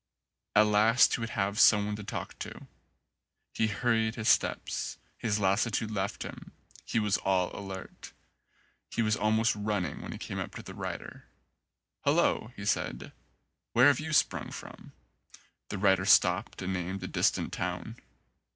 At last he would have some one to talk to. He hurried his steps. His lassitude left him. He was all alert. He was almost run ning when he came up to the rider. "Hulloa," he said, "where have you sprung from?" The rider stopped and named a distant town.